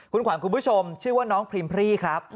คุณขวัญคุณผู้ชมชื่อว่าน้องพรีมพรี่ครับ